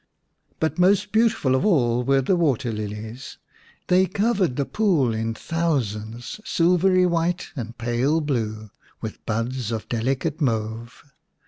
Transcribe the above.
But most beautiful of all were the water lilies. They covered the pool in thousands, silvery white and pale blue, with buds of delicate mauve.